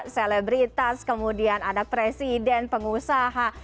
selebritas kemudian ada presiden pengusaha